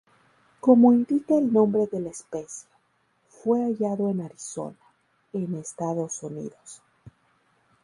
Como indica el nombre de la especie, fue hallado en Arizona, en Estados Unidos.